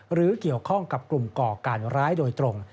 หรือเกี่ยวข้องกับกลุ่มก่อการร้ายโดยตรง